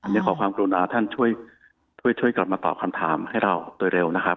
อันนี้ขอความกรุณาท่านช่วยกลับมาตอบคำถามให้เราโดยเร็วนะครับ